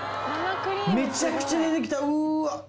めちゃくちゃ出てきた！